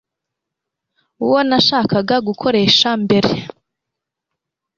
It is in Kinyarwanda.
uwo nashakaga gukoresha mbere